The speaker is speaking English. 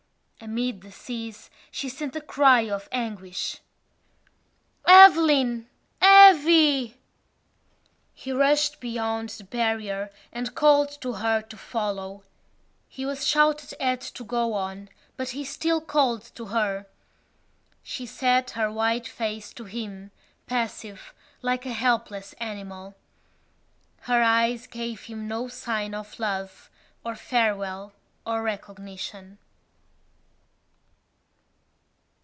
Amid the seas she sent a cry of anguish! "Eveline! Evvy!" He rushed beyond the barrier and called to her to follow. He was shouted at to go on but he still called to her. She set her white face to him, passive, like a helpless animal. Her eyes gave him no sign of love or farewell or recognition.